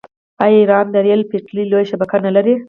آیا ایران د ریل پټلۍ لویه شبکه نلري؟